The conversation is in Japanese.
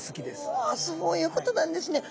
うわそういうことなんですね。